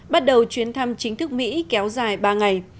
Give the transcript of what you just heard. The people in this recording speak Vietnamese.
bắt đầu chuyến thăm chính thức mỹ kéo dài ba ngày